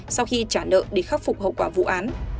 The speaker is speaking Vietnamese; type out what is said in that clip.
để khắc phục hậu quả vụ án